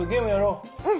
うん！